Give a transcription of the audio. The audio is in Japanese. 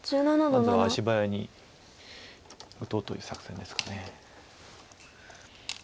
まずは足早に打とうという作戦ですか。